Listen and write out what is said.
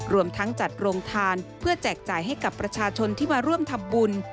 รวมทั้งจัดโรงทานเพื่อแจกจ่ายให้กับประชาชนที่มาร่วมทำบุญ